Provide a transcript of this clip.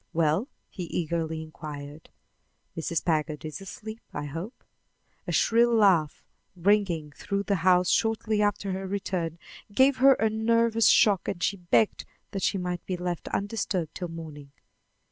"Well?" he eagerly inquired. "Mrs. Packard is asleep, I hope. A shrill laugh, ringing through the house shortly after her return, gave her a nervous shock and she begged that she might be left undisturbed till morning."